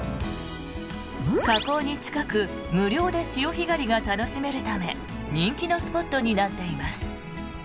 河口に近く無料で潮干狩りが楽しめるため人気のスポットになっています。